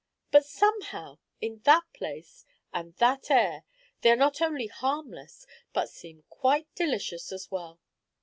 But, somehow, in that place and that air they are not only harmless but seem quite delicious as well.